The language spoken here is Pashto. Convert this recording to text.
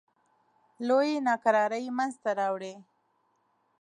لویې ناکرارۍ منځته راوړې.